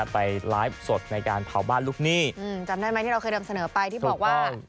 ไปไลฟ์สดในการเผาบ้านลูกหนี้จำได้ไหมที่เราเคยนำเสนอไปที่บอกว่า